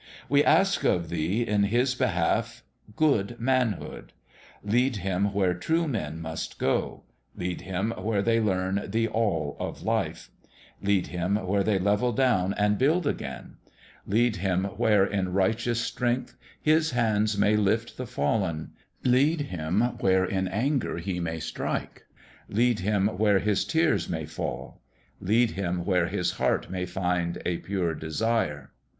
We ask of Thee in his behalf good Manhood. Lead him where true men must go : lead him where they learn the all of life ; lead him where they level down and build again ; lead him where in righteous strength his hands may lift the fallen ; lead him where in anger he may strike ; lead him where his tears may fall ; lead him where his heart may find a pure desire.